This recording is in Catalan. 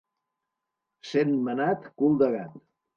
Sentmenat, cul de gat.